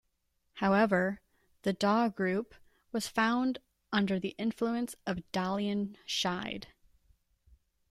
However, the Dahe Group was found under the influence of Dalian Shide.